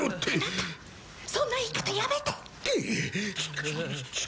あなたそんな言い方やめてし